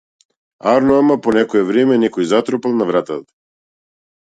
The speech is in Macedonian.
Арно ама по некое време некој затропал на вратата.